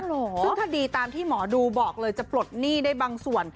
ซึ่งถ้าบอกว่าสุดผู้บอกเลยจะปลดหนี้ได้บางส่วน